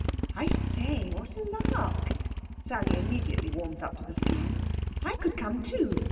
"I say, what a lark!" Sally immediately warms up to the scheme. "I could come, too.